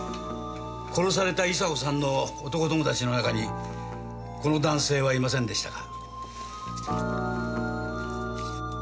殺された伊沙子さんの男友達の中にこの男性はいませんでしたか？